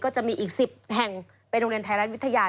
จะมีอีก๑๐แห่งเป็นโรงเรียนไทยรัฐวิทยา